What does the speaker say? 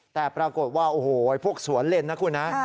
แต่ปรากฏว่าโอ้โหพวกสวนเล่นนะคุณนะ